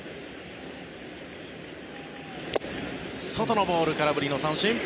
外のボール空振りの三振。